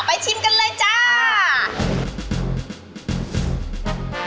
ชิมกันเลยจ้า